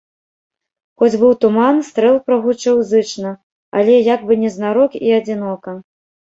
Хоць быў туман, стрэл прагучэў зычна, але як бы незнарок і адзінока.